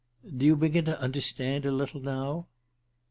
Do you begin to understand a little now?"